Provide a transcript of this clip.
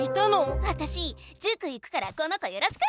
わたしじゅく行くからこの子よろしく！